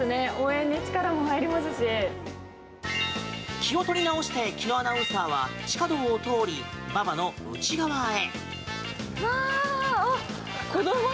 気を取り直して紀アナウンサーは地下道を通り馬場の内側へ。